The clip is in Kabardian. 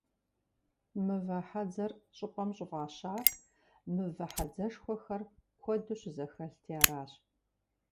«Мывэ хьэдзэр» щӀыпӀэм щӀыфӀащар мывэ хьэдзэшхуэхэр куэду щызэхэлъти аращ.